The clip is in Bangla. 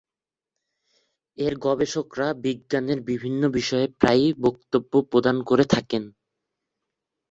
এর গবেষকরা বিজ্ঞানের বিভিন্ন বিষয়ে প্রায়ই বক্তব্য প্রদান করে থাকেন।